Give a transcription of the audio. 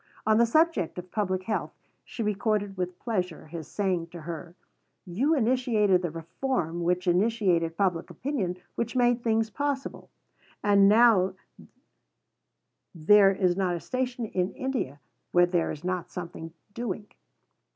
On the subject of Public Health she recorded with pleasure his saying to her: "You initiated the reform which initiated Public Opinion which made things possible, and now there is not a station in India where there is not something doing."